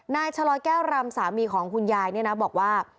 นายชะลอยแก้วรำสามีของคุณยายเนี่ยนะบอกว่า